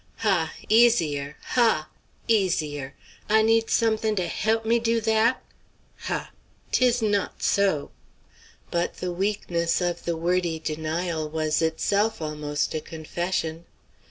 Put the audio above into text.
"Hah! easier! Hah! easier! I need somethin' to help me do dat? Hah! 'Tis not so!" But the weakness of the wordy denial was itself almost a confession.